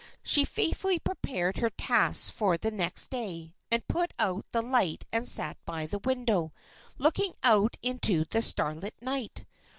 She faithfully prepared her tasks for the next day, and then put out the light and sat by the window, looking out into the starlit night.